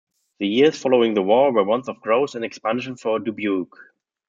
The years following the war were ones of growth and expansion for Dubuque.